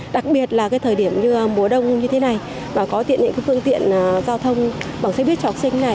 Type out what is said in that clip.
đặc biệt là thời điểm như mùa đông như thế này có tiện những phương tiện giao thông bằng xe buýt cho học sinh này